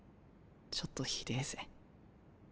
ちょっとひでえぜ。